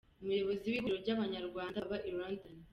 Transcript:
Umuyobozi w’Ihuriro ry’Abanyarwanda baba i London.